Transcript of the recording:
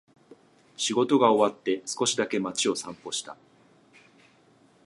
仕事が終わって、少しだけ街を散歩した。